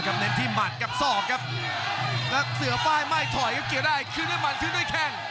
โอ้โหโอ้โหโอ้โหโอ้โหโอ้โห